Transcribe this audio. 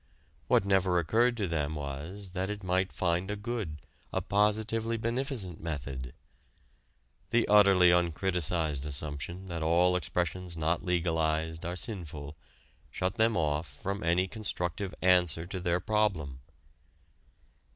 What never occurred to them was that it might find a good, a positively beneficent method. The utterly uncriticised assumption that all expressions not legalized are sinful shut them off from any constructive answer to their problem.